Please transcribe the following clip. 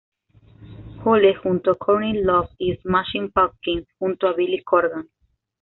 Hole, junto a Courtney Love, y Smashing Pumpkins, junto a Billy Corgan.